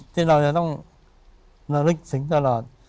ที่เราจะต้องระลึกถึงตลอด